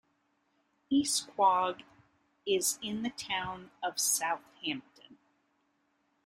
East Quogue is in the town of Southampton.